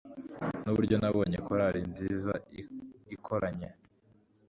Nuburyo nabonye korari nziza ikoranye